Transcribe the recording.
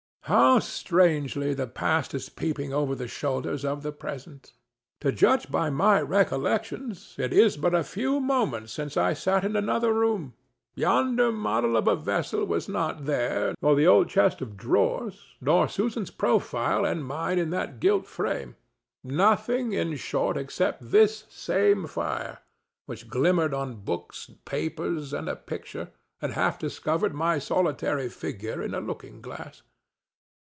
How strangely the past is peeping over the shoulders of the present! To judge by my recollections, it is but a few moments since I sat in another room. Yonder model of a vessel was not there, nor the old chest of drawers, nor Susan's profile and mine in that gilt frame—nothing, in short, except this same fire, which glimmered on books, papers and a picture, and half discovered my solitary figure in a looking glass.